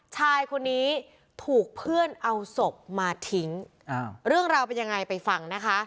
ชายคนนี้ถูกเพื่อนเอาศพมาทิ้งเรื่องราวเป็นยังไงไปฟังนะคะ